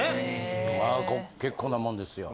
結構なもんですよ。